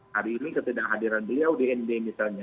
hari ini ketidak hadiran beliau di nd misalnya